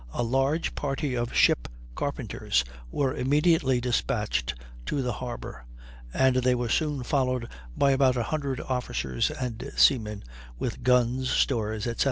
A large party of ship carpenters were immediately despatched to the Harbor; and they were soon followed by about a hundred officers and seamen, with guns, stores, etc.